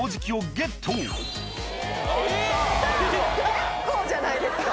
結構じゃないですか？